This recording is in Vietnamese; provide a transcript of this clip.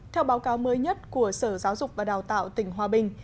theo báo cáo mới nhất của sở giáo dục và đào tạo tỉnh hòa bình